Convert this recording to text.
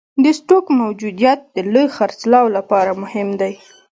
د سټوک موجودیت د لوی خرڅلاو لپاره مهم دی.